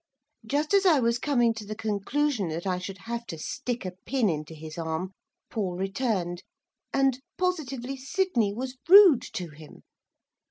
Just as I was coming to the conclusion that I should have to stick a pin into his arm, Paul returned, and, positively, Sydney was rude to him.